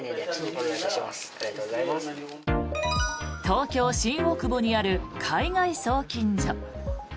東京・新大久保にある海外送金所。